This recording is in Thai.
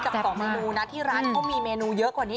สองเมนูนะที่ร้านเขามีเมนูเยอะกว่านี้